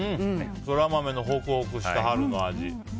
ソラマメのホクホクした春の味。